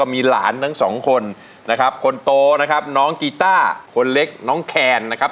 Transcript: มีหลานทั้งสองคนนะครับคนโตนะครับน้องกีต้าคนเล็กน้องแคนนะครับ